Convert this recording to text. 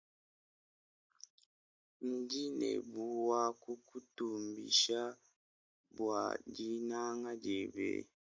Ndinebuwakukutumbisha bwa dinanga diebe.